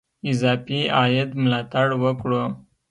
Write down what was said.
اضافي عاید ملاتړ وکړو.